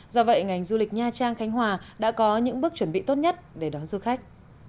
do vậy ngành du lịch nha trang khánh hòa đã có những bước chuẩn bị tốt nhất để đón du khách